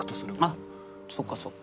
あっそっかそっか。